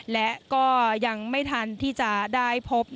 และก็ยังไม่ทันที่จะได้พบ